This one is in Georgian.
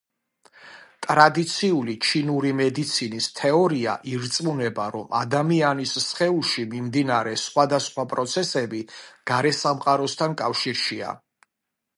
ტრადიციული ჩინური მედიცინის თეორია ირწმუნება, რომ ადამიანის სხეულში მიმდინარე სხვადასხვა პროცესები გარესამყაროსთან კავშირშია.